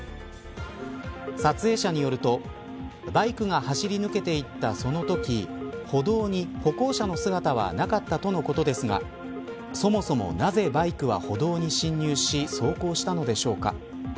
撮影者によるとバイクが走り抜けていったそのとき歩道に歩行者の姿はなかったとのことですがそもそもなぜバイクは歩道に進入し走行したのでしょうか。